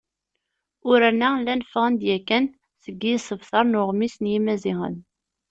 Uraren-a llan ffɣen-d yakan deg yisebtar n Uɣmis n Yimaziɣen.